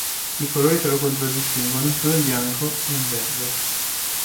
I colori che lo contraddistinguono sono il bianco e il verde.